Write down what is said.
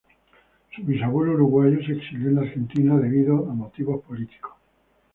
Su bisabuelo uruguayo se exilió en Argentina debido a motivos políticos.